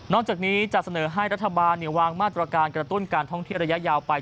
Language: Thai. จากนี้จะเสนอให้รัฐบาลวางมาตรการกระตุ้นการท่องเที่ยวระยะยาวไป